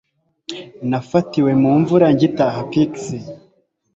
Nafatiwe mu mvura ngitaha piksea